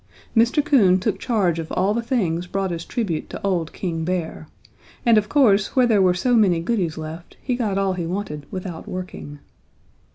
Mr. Coon took charge of all the things brought as tribute to old King Bear and of course where there were so many goodies left he got all he wanted without working.